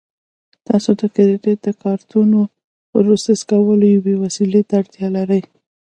تاسو د کریډیټ کارتونو پروسس کولو یوې وسیلې ته اړتیا لرئ